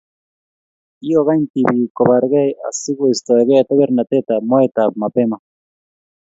Kikokany tibik kobarkei asikoistoekei tewernatetab moetab mapema